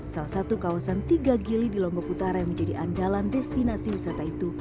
salah satu kawasan tiga gili di lombok utara yang menjadi andalan destinasi wisata itu